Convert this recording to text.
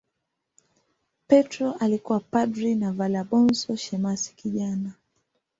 Petro alikuwa padri na Valabonso shemasi kijana.